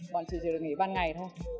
bọn chị chỉ được nghỉ ban ngày thôi